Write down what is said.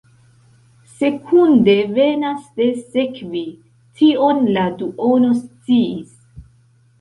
Sekunde venas de sekvi, tion la duono sciis.